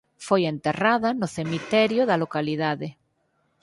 Foi enterrada no cemiterio da localidade.